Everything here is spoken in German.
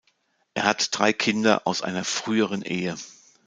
Er hat drei Kinder aus einer früheren Ehe.